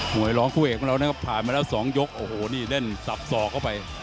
วยร้องคู่เอกของเรานะครับผ่านมาแล้ว๒ยกโอ้โหนี่เล่นสับสอกเข้าไป